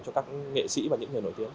cho các nghệ sĩ và những người nổi tiếng